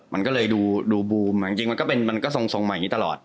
มันก็เลยดูบูมจริงมันก็เป็นมันก็ทรงส่งใหม่นี่ตลอด